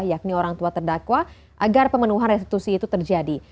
yakni orang tua terdakwa agar pemenuhan restitusi itu terjadi